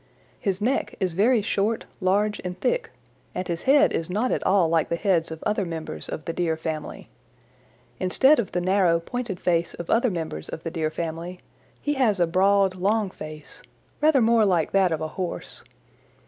His neck is very short, large and thick, and his head is not at all like the heads of other members of the Deer family. Instead of the narrow, pointed face of other members of the Deer family, he has a broad, long face, rather more like that of a Horse.